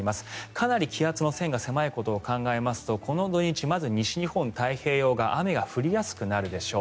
かなり気圧の線が狭いことを考えますとこの土日まず西日本の太平洋側雨が降りやすくなるでしょう。